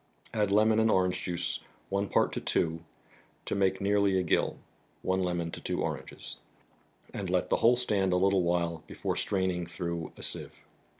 Add lemon and orange juice, one part to two, to make nearly a gill (one lemon to two oranges), and let the whole stand a little while before straining through a sieve.